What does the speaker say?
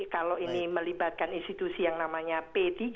kalau ini melibatkan institusi yang namanya p tiga